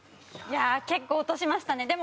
いやあ結構落としましたね。